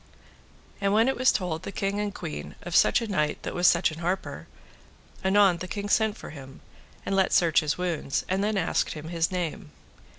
And when it was told the king and the queen of such a knight that was such an harper, anon the king sent for him, and let search his wounds, and then asked him his name.